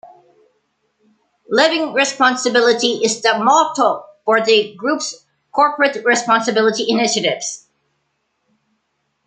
"Living responsibility" is the motto for the Group's corporate responsibility initiatives.